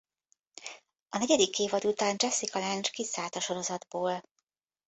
A negyedik évad után Jessica Lange kiszállt a sorozatból.